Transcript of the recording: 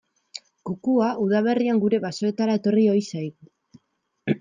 Kukua udaberrian gure basoetara etorri ohi zaigu.